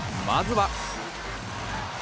まずは。